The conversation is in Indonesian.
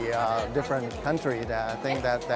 tapi juga untuk semua negara yang berbeda